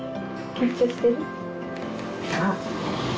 緊張してる？